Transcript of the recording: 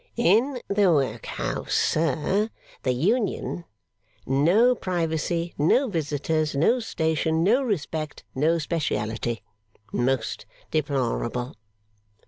'In the Workhouse, sir, the Union; no privacy, no visitors, no station, no respect, no speciality. Most deplorable!